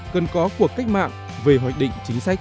cần có cuộc cách mạng về hoạch định chính sách